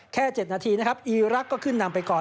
แค่๗นาทีนะครับอีรักษ์ก็ขึ้นนำไปก่อน